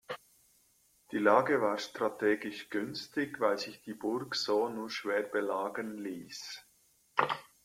Die Lage war strategisch günstig, weil die Burg sich so nur schwer belagern ließ.